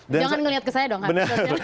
jangan melihat ke saya dong